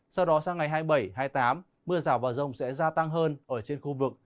sau đó sang ngày hai mươi bảy hai mươi tám mưa rào và rông sẽ gia tăng hơn ở trên khu vực